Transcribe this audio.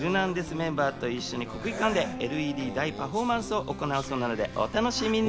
メンバーと一緒に国技館でＬＥＤ大パフォーマンスを行うそうなのでお楽しみに。